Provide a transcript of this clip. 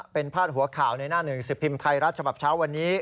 เป็นพาดหัวข่าวในหน้าหนึ่งสิบพิมพ์ไทยรัฐฉบับเช้าวันนี้